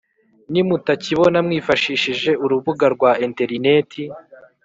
nimutakibona mwifashishe urubuga rwa interineti